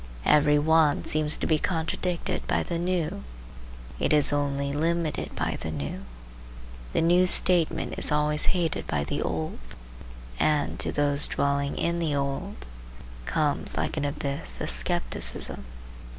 Every one seems to be contradicted by the new; it is only limited by the new. The new statement is always hated by the old, and, to those dwelling in the old, comes like an abyss of scepticism.